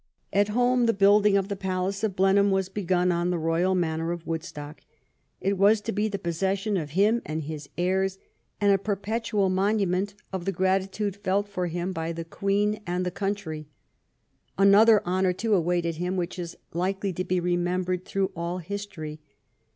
At home the building of the palace of Blenheim was begun on the royal manor of Woodstock. It was to be the possession of him and his heirs, and a perpetual monument of the gratitude felt for him by the Queen 120 •'THE CAMPAIGN"— BLENHEIM and the country. Another honor, too, awaited him which is likely to he remembered through all history.